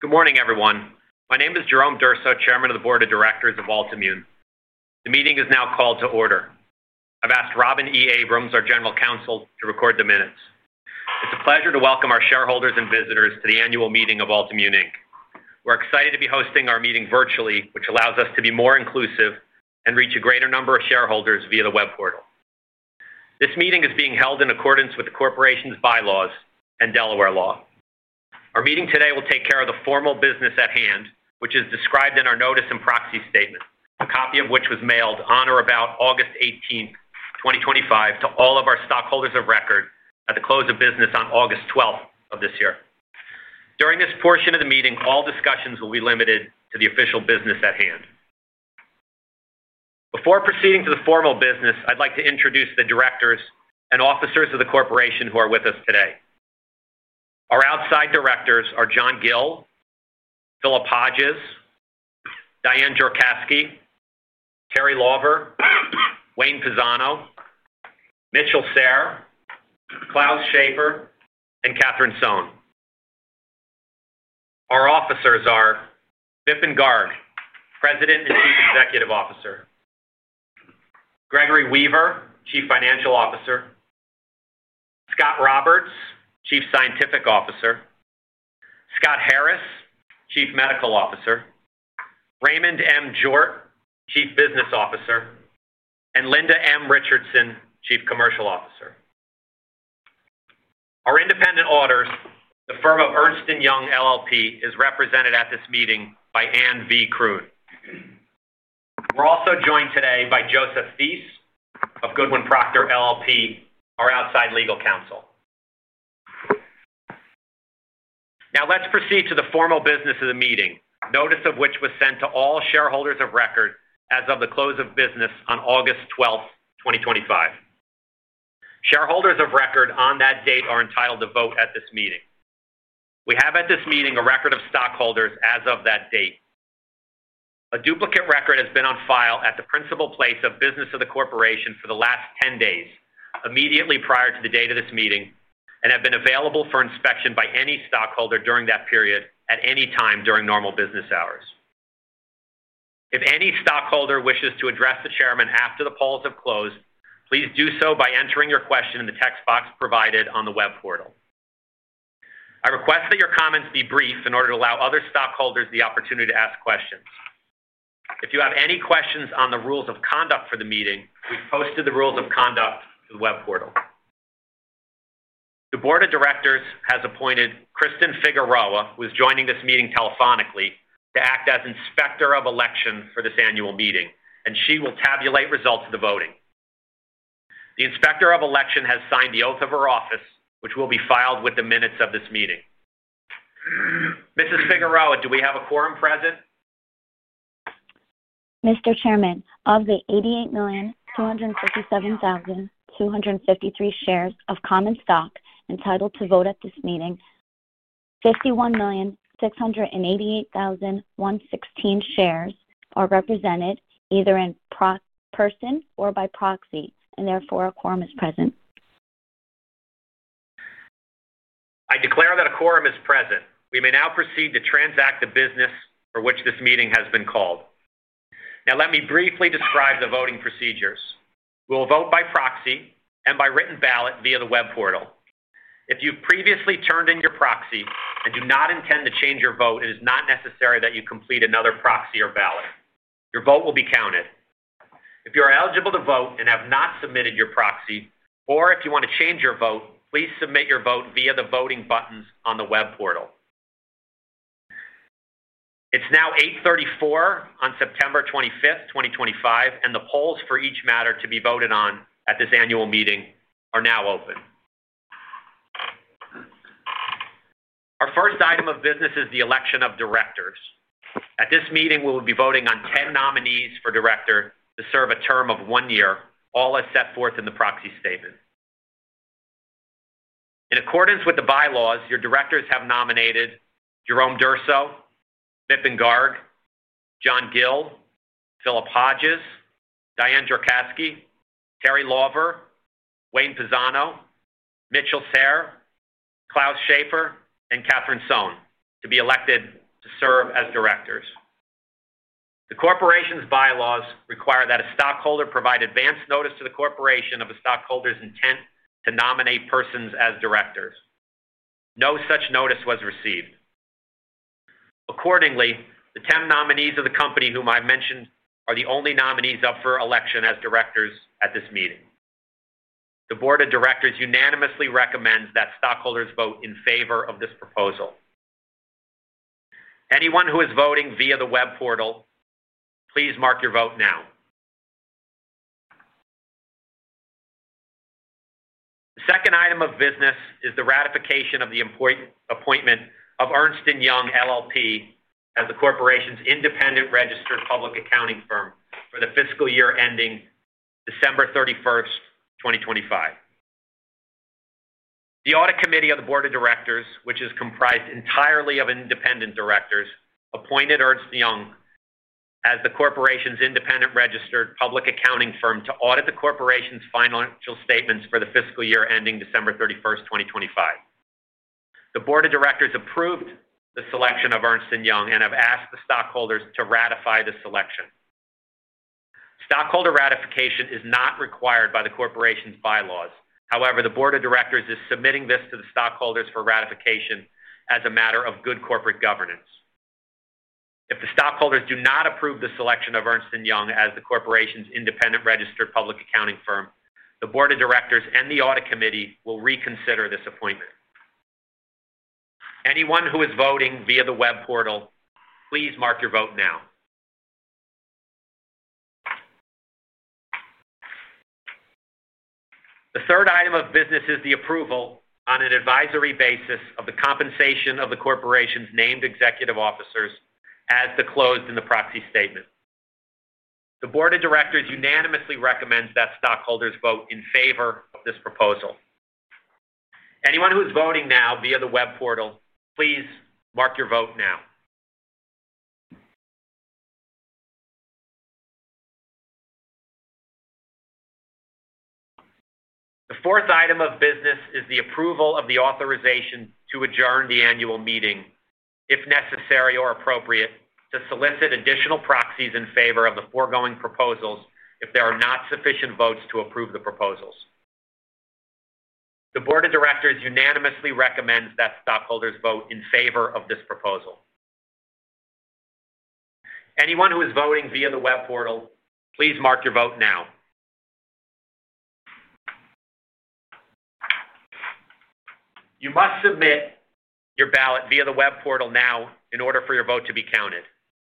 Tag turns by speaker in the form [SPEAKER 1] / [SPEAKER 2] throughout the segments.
[SPEAKER 1] Good morning, everyone. My name is Jerome Durso, Chairman of the Board of Directors of Altimmune. The meeting is now called to order. I've asked Robin E. Abrams, our General Counsel, to record the minutes. It's a pleasure to welcome our shareholders and visitors to the annual meeting of Altimmune, Inc. We're excited to be hosting our meeting virtually, which allows us to be more inclusive and reach a greater number of shareholders via the web portal. This meeting is being held in accordance with the Corporation's bylaws and Delaware law. Our meeting today will take care of the formal business at hand, which is described in our notice and proxy statement, a copy of which was mailed on or about August 18, 2025, to all of our stockholders of record at the close of business on August 12 of this year. During this portion of the meeting, all discussions will be limited to the official business at hand. Before proceeding to the formal business, I'd like to introduce the directors and officers of the Corporation who are with us today. Our outside directors are John Gill, Philip Hodges, Diane Jorkowski, Terry Lawver, Wayne Fasano, Mitchell Sarr, Klaus Schafer, and Catherine Sohn. Our officers are Vipin Garg, President and Chief Executive Officer, Gregory Weaver, Chief Financial Officer, Scott Roberts, Chief Scientific Officer, Scott Harris, Chief Medical Officer, Raymond M. Jort, Chief Business Officer, and Linda M. Richardson, Chief Commercial Officer. Our independent auditor, the firm of Ernst & Young LLP, is represented at this meeting by Ann V. Krune. We're also joined today by Joseph Theiss of Goodwin Procter LLP, our outside legal counsel. Now let's proceed to the formal business of the meeting, notice of which was sent to all shareholders of record as of the close of business on August 12, 2025. Shareholders of record on that date are entitled to vote at this meeting. We have at this meeting a record of stockholders as of that date. A duplicate record has been on file at the principal place of business of the Corporation for the last 10 days immediately prior to the date of this meeting and has been available for inspection by any stockholder during that period at any time during normal business hours. If any stockholder wishes to address the Chairman after the polls have closed, please do so by entering your question in the text box provided on the web portal. I request that your comments be brief in order to allow other stockholders the opportunity to ask questions. If you have any questions on the rules of conduct for the meeting, we've posted the rules of conduct to the web portal. The Board of Directors has appointed Kristen Figueroa, who is joining this meeting telephonically, to act as Inspector of Election for this annual meeting, and she will tabulate results of the voting. The Inspector of Election has signed the oath of her office, which will be filed with the minutes of this meeting. Mrs. Figueroa, do we have a quorum present?
[SPEAKER 2] Mr. Chairman, of the 88,257,253 shares of common stock entitled to vote at this meeting, 51,688,116 shares are represented either in person or by proxy, and therefore a quorum is present.
[SPEAKER 1] I declare that a quorum is present. We may now proceed to transact the business for which this meeting has been called. Now let me briefly describe the voting procedures. We'll vote by proxy and by written ballot via the web portal. If you've previously turned in your proxy and do not intend to change your vote, it is not necessary that you complete another proxy or ballot. Your vote will be counted. If you are eligible to vote and have not submitted your proxy, or if you want to change your vote, please submit your vote via the voting buttons on the web portal. It's now 8:34 A.M. on September 25, 2025, and the polls for each matter to be voted on at this annual meeting are now open. Our first item of business is the election of directors. At this meeting, we will be voting on 10 nominees for director to serve a term of one year, all as set forth in the proxy statement. In accordance with the bylaws, your directors have nominated Jerome Durso, Vipin Garg, John Gill, Philip Hodges, Diane Jorkowski, Terry Lawver, Wayne Fasano, Mitchell Sarr, Klaus Schafer, and Catherine Sohn to be elected to serve as directors. The Corporation's bylaws require that a stockholder provide advance notice to the Corporation of a stockholder's intent to nominate persons as directors. No such notice was received. Accordingly, the 10 nominees of the company whom I mentioned are the only nominees up for election as directors at this meeting. The Board of Directors unanimously recommends that stockholders vote in favor of this proposal. Anyone who is voting via the web portal, please mark your vote now. The second item of business is the ratification of the appointment of Ernst & Young LLP as the Corporation's independent registered public accounting firm for the fiscal year ending December 31, 2025. The audit committee of the Board of Directors, which is comprised entirely of independent directors, appointed Ernst & Young as the Corporation's independent registered public accounting firm to audit the Corporation's financial statements for the fiscal year ending December 31, 2025. The Board of Directors approved the selection of Ernst & Young and have asked the stockholders to ratify the selection. Stockholder ratification is not required by the Corporation's bylaws. However, the Board of Directors is submitting this to the stockholders for ratification as a matter of good corporate governance. If the stockholders do not approve the selection of Ernst & Young LLP as the Corporation's independent registered public accounting firm, the Board of Directors and the Audit Committee will reconsider this appointment. Anyone who is voting via the web portal, please mark your vote now. The third item of business is the approval on an advisory basis of the compensation of the Corporation's named executive officers as disclosed in the proxy statement. The Board of Directors unanimously recommends that stockholders vote in favor of this proposal. Anyone who is voting now via the web portal, please mark your vote now. The fourth item of business is the approval of the authorization to adjourn the annual meeting, if necessary or appropriate, to solicit additional proxies in favor of the foregoing proposals if there are not sufficient votes to approve the proposals. The Board of Directors unanimously recommends that stockholders vote in favor of this proposal. Anyone who is voting via the web portal, please mark your vote now. You must submit your ballot via the web portal now in order for your vote to be counted.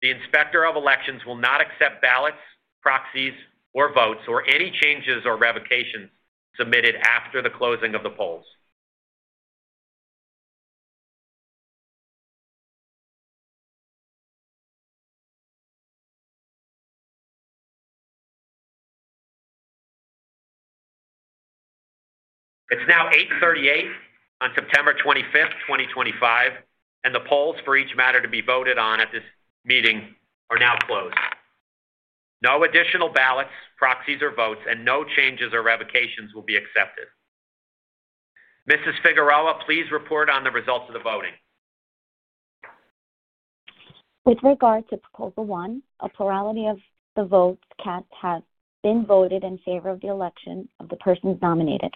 [SPEAKER 1] The Inspector of Election will not accept ballots, proxies, or votes or any changes or revocations submitted after the closing of the polls. It's now 8:38 A.M. on September 25, 2025, and the polls for each matter to be voted on at this meeting are now closed. No additional ballots, proxies, or votes, and no changes or revocations will be accepted. Ms. Figueroa, please report on the results of the voting.
[SPEAKER 2] With regard to proposal one, a plurality of the votes cast has been voted in favor of the election of the persons nominated.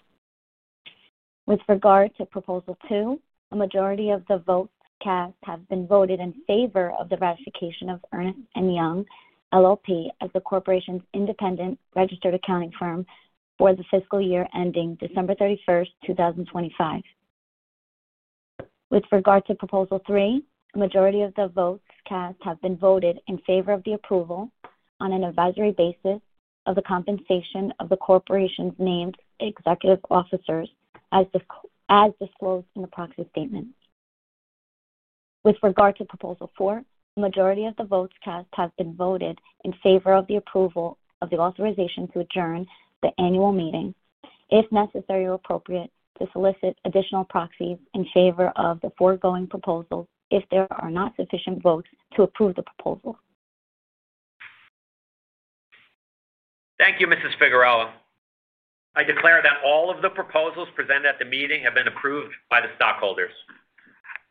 [SPEAKER 2] With regard to proposal two, a majority of the votes cast has been voted in favor of the ratification of Ernst & Young LLP as the Corporation's independent registered public accounting firm for the fiscal year ending December 31, 2025. With regard to proposal three, a majority of the votes cast has been voted in favor of the approval on an advisory basis of the compensation of the Corporation's named executive officers as disclosed in the proxy statement. With regard to proposal four, a majority of the votes cast has been voted in favor of the approval of the authorization to adjourn the annual meeting, if necessary or appropriate, to solicit additional proxies in favor of the foregoing proposals if there are not sufficient votes to approve the proposal.
[SPEAKER 1] Thank you, Mrs. Figueroa. I declare that all of the proposals presented at the meeting have been approved by the stockholders.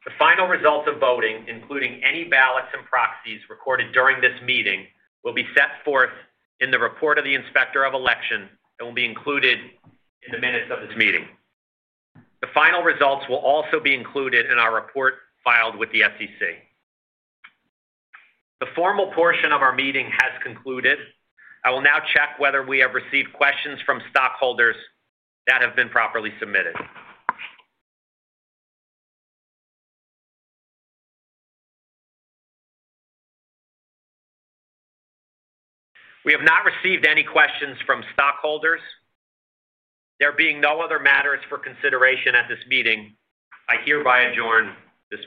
[SPEAKER 1] The final results of voting, including any ballots and proxies recorded during this meeting, will be set forth in the report of the Inspector of Election and will be included in the minutes of this meeting. The final results will also be included in our report filed with the SEC. The formal portion of our meeting has concluded. I will now check whether we have received questions from stockholders that have been properly submitted. We have not received any questions from stockholders. There being no other matters for consideration at this meeting, I hereby adjourn this.